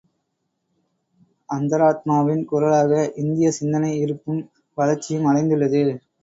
அந்தராத்மாவின் குரலாக இந்தியச் சிந்தனை இருப்பும், வளர்ச்சியும் அடைந்துள்ளது.